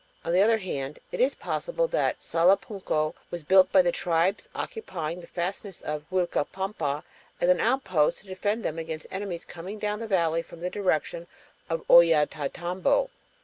On the other hand, it is possible that Salapunco was built by the tribes occupying the fastnesses of Uilcapampa as an outpost to defend them against enemies coming down the valley from the direction of Ollantaytambo.